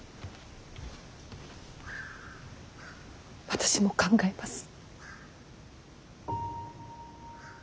私も考えます。